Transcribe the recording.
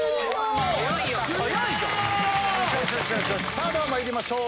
さあでは参りましょう。